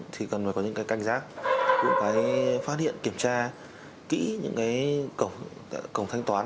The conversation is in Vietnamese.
thì cần phải có những canh giác cũng phải phát hiện kiểm tra kỹ những cổng thanh toán